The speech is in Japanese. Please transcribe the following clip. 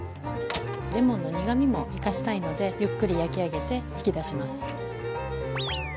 レモンの苦みも生かしたいのでゆっくり焼き上げて引き出します。